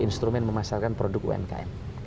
instrumen memasarkan produk umkm